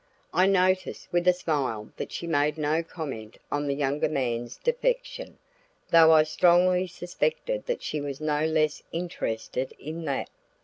I noticed with a smile that she made no comment on the younger man's defection, though I strongly suspected that she was no less interested in that.